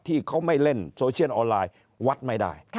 ที่เขาไม่เล่นโซเชียลออนไลน์วัดไม่ได้